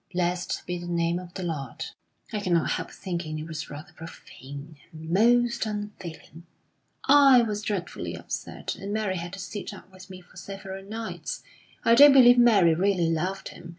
Blessed be the name of the Lord.' I cannot help thinking it was rather profane, and most unfeeling. I was dreadfully upset, and Mary had to sit up with me for several nights. I don't believe Mary really loved him.